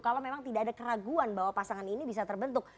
kalau memang tidak ada keraguan bahwa pasangan ini bisa terbentuk